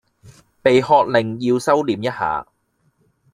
被喝令要收歛一下